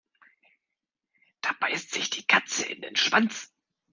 Da beißt sich die Katze in den Schwanz.